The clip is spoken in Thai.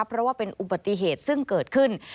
เพราะว่าเป็นอุบัติเหตุซึ่งเกิดขึ้น